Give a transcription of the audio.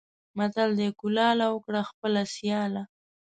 متل دی: کلاله! وکړه خپله سیاله.